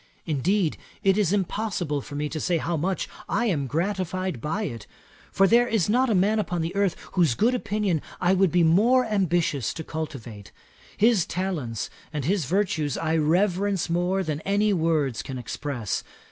Indeed it is impossible for me to say how much I am gratified by it; for there is not a man upon earth whose good opinion I would be more ambitious to cultivate. His talents and his virtues I reverence more than any words can express.